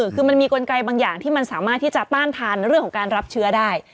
คือมันมีกลไกบางอย่างที่มันสามารถที่จะต้านทานเรื่องของการรับเชื้อได้